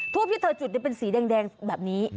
ที่เธอจุดเป็นสีแดงแบบนี้